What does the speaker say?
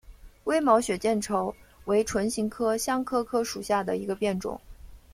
微毛血见愁为唇形科香科科属下的一个变种。